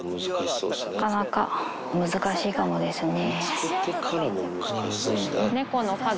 なかなか難しいかもですね。